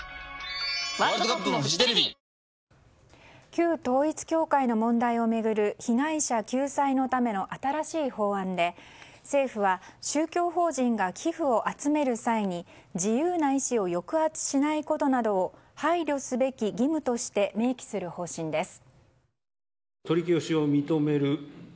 旧統一教会の問題を巡る被害者救済のための新しい法案で政府は宗教法人が寄付を集める際に自由な意思を抑圧しないことなどを配慮すべき義務として明記する方針です。